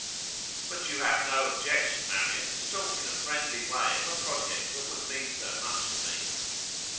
'But you have no objection, Marian, to talk in a friendly way of a project that would mean so much to me?